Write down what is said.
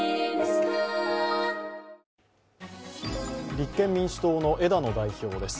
立憲民主党の枝野代表です。